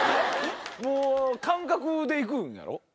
もう感覚で行くんやろ？